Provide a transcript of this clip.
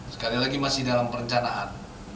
sekali lagi masih dalam perencanaan